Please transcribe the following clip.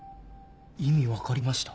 意味分かりました？